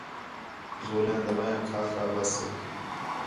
گولیاں، دوائیاں کھا کھا ٻس ہِے